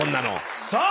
さあ